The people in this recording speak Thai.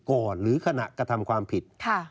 หรือขณะกระทำความผิด